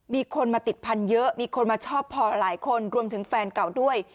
มีคนมาติดพันธุ์เยอะมีคนมาชอบพอหลายคนรวมถึงแฟนเก่าด้วย